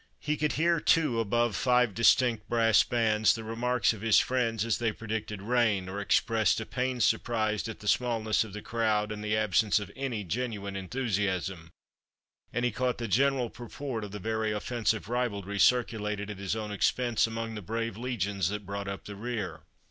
He could hear, too, above five distinct brass bands, the remarks of his friends as they predicted rain, or expressed a pained surprise at the smallness of the crowd and the absence of any genuine enthusiasm; and he caught the general purport of the very offensive ribaldry circulated at his own expense among the brave legions that brought up the rear.